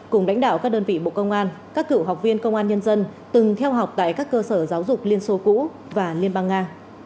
cùng lãnh đạo các đơn vị bộ công an các cựu học viên công an nhân dân từng theo học tại các cơ sở giáo dục liên xô cũ và liên bang nga